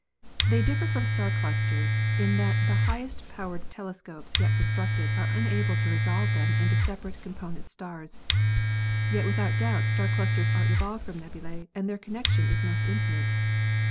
They differ from star clusters in that the highest powered telescopes yet constructed are unable to resolve them into separate component stars, yet without doubt star clusters are evolved from nebulae and their connection is most intimate.